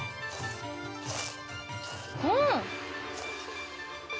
うん！